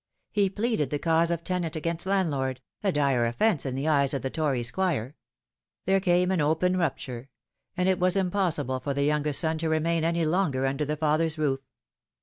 He pleaded the cause of tenant against landlord a dire offence in the eyes of the Tory Squire. There came an open rupture ; and it was impossible for the younger son to remain any longer under the father's roof.